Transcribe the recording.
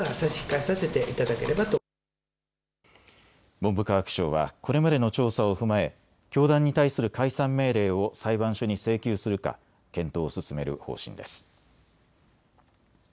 文部科学省はこれまでの調査を踏まえ教団に対する解散命令を裁判所に請求するか検討を進める方針です。